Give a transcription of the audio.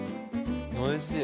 おいしい！